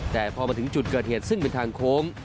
แต่พอมาถึงจุดเกิดเหตุซึ่งเป็นทางโค้ง